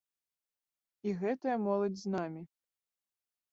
І гэтая моладзь з намі.